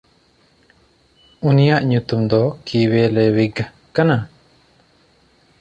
ᱩᱱᱤᱭᱟᱜ ᱧᱩᱛᱩᱢ ᱫᱚ ᱠᱤᱣᱮᱞᱮᱭᱜᱷ ᱠᱟᱱᱟ᱾